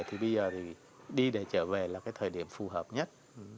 thì bây giờ thì đi để trở về là cái thời điểm phù hợp nhất